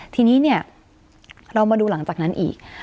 ทีนี้เนี่ยเรามาดูหลังจากนั้นอีก